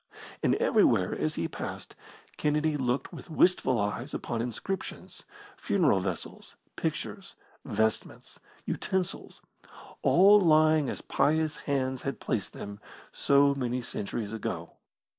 And everywhere as he passed Kennedy looked with wistful eyes upon inscriptions, funeral vessels, pictures, vestments, utensils, all lying as pious hands had placed them so many centuries ago.